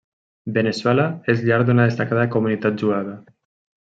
Veneçuela és llar d'una destacada comunitat jueva.